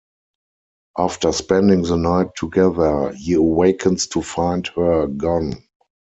After spending the night together, he awakens to find her gone.